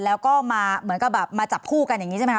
แล้วก็มาเหมือนกับแบบมาจับคู่กันอย่างนี้ใช่ไหมค